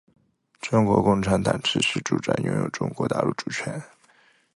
中国共产党持续主张拥有中国大陆主权。